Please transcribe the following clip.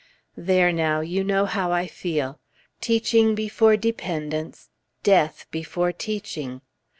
There now, you know how I feel! Teaching before dependence, death before teaching.